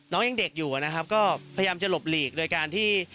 น้องยังเด็กอยู่นะครับก็พยายามจะหลบหลีกโดยการที่